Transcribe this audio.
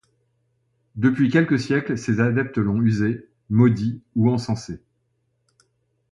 Depuis quelques siècles, ses adeptes l’ont usé, maudit ou encensé.